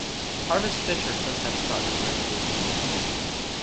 Harvestfish are sometimes caught commercially as a food fish.